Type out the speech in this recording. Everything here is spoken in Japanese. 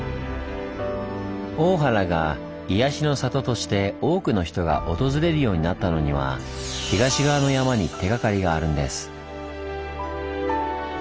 大原が「癒やしの里」として多くの人が訪れるようになったのには東側の山に手がかりがあるんです。